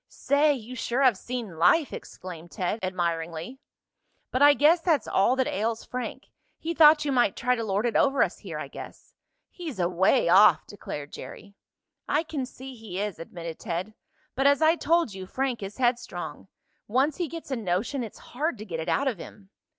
"Say, you sure have seen life!" exclaimed Ted admiringly. "But I guess that's all that ails Frank. He thought you might try to lord it over us here, I guess." "He's away off!" declared Jerry. "I can see he is," admitted Ted. "But, as I told you, Frank is headstrong. Once he gets a notion it's hard to get it out of him."